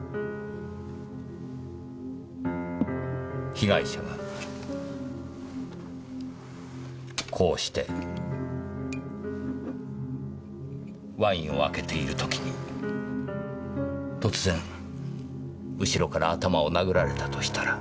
被害者がこうしてワインを開けている時に突然後ろから頭を殴られたとしたら。